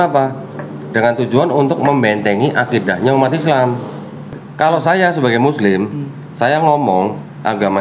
apa dengan tujuan untuk membentengi akidahnya umat islam kalau saya sebagai muslim saya ngomong agama